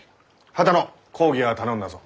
波多野講義は頼んだぞ。